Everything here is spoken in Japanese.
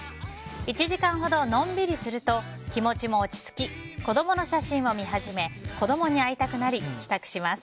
１時間ほどのんびりすると気持ちも落ち着き子供の写真を見始め子供に会いたくなり帰宅します。